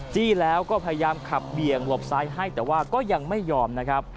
จี้แล้วก็พยายามขับเบี่ยงหลบซ้ายให้แต่ว่าก็ยังไม่ยอมนะครับ